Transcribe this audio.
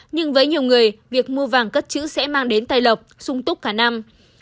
nhưng với nhiều người việc mua vàng cất chữ sẽ mang đến tay lọc sung túc cả năm